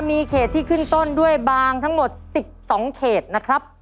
มีเขตที่ขึ้นต้นด้วยบางทั้งหมด๑๒เขตนะครับ